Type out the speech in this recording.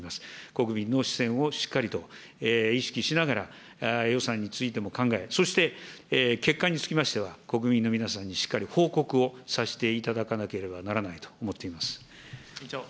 国民の視線をしっかりと意識しながら、予算についても考え、そして結果につきましては、国民の皆さんにしっかり報告をさせていただかなければならないと思っております。